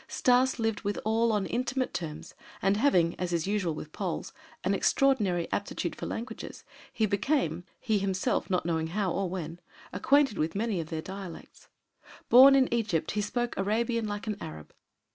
Stas lived with all on intimate terms and having, as is usual with Poles, an extraordinary aptitude for languages he became, he himself not knowing how and when, acquainted with many of their dialects. Born in Egypt, he spoke Arabian like an Arab.